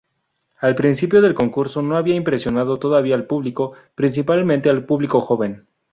Al principio del concurso no había impresionado todavía al público, principalmente al público joven.